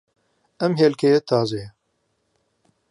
ئەم ھێلکەیە تازەیە.